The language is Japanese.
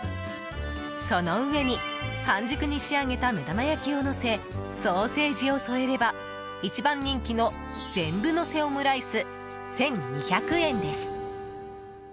その上に半熟に仕上げた目玉焼きをのせソーセージを添えれば一番人気の全部のせオムライス１２００円です。